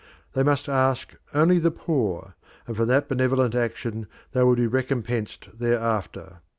They must ask only the poor, and for that benevolent action they would be recompensed thereafter.